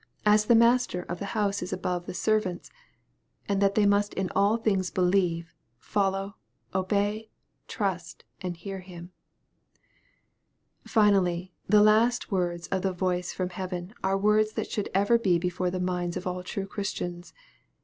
as the master of the house is above the servants, and that they must in all things believe, follow, obey, trust, and hear Him. Finally, the last words of the voice from heaven, are words that should be ever before the minds of all true Christians.